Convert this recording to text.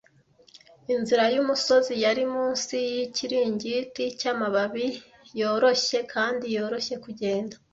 Inzira yumusozi yari munsi yikiringiti cyamababi, yoroshye kandi yoroshye kugenda.